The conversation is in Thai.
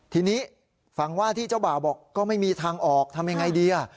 ทีนี้ฝั่งว่าที่เจ้าบ่าวบอกก็ไม่มีทางออกทำยังไงดี